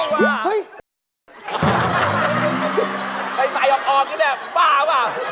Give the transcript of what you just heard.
ให้ใส่ออกจุดแอบบ้าปะ